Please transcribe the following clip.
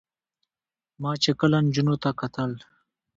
ما چې کله نجونو ته کتل